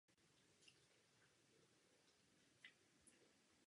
Z povahy věci to jsou lidé, kdo má vždy pravdu.